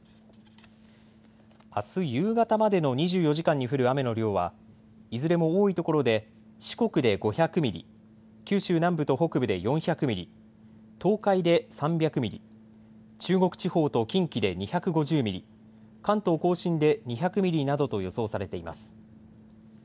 あす夕方までの２４時間に降る雨の量はいずれも多いところで四国で５００ミリ、九州南部と北部で４００ミリ、東海で３００ミリ、中国地方と近畿で２５０ミリ、関東甲信で２００ミリなどと予想されています。